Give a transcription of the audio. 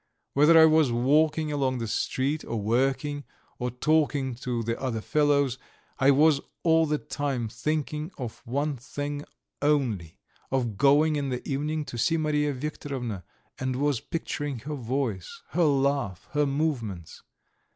Whether I was walking along the street, or working, or talking to the other fellows, I was all the time thinking of one thing only, of going in the evening to see Mariya Viktorovna and was picturing her voice, her laugh, her movements.